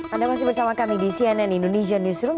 anda masih bersama kami di cnn indonesia newsroom